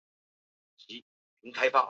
欧卡是葡萄牙阿威罗区的一个堂区。